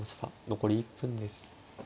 残り１分です。